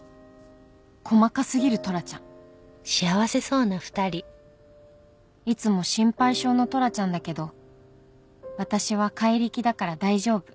「細かすぎるトラちゃん」「いつも心配性のトラちゃんだけど私は怪力だから大丈夫」